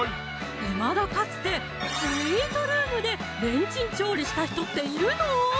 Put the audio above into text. いまだかつてスイートルームでレンチン調理した人っているの？